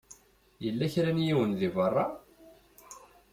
Yella kra n yiwen di beṛṛa.